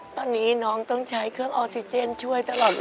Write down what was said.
ตอนนี้น้องต้องใช้เครื่องออกซิเจนช่วยตลอดเวลา